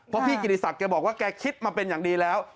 เพราะพี่กิติศักดิ์แกบอกว่าแกคิดมาเป็นอย่างดีแล้ว